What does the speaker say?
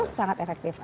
oh sangat efektif